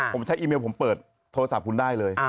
ผมใช้อีเมลผมเปิดโทรศัพท์คุณได้เลย